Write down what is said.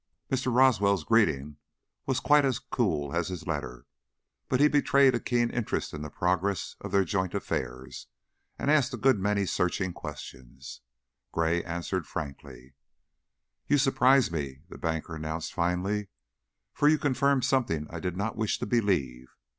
Mr. Roswell's greeting was quite as cool as his letter; but he betrayed a keen interest in the progress of their joint affairs and asked a good many searching questions. Gray answered frankly. "You surprise me," the banker announced, finally, "for you confirm something I did not wish to believe.